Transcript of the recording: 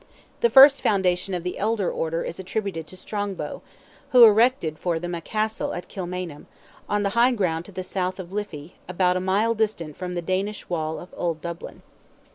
The first foundation of the elder order is attributed to Strongbow, who erected for them a castle at Kilmainham, on the high ground to the south of the Liffey, about a mile distant from the Danish wall of old Dublin.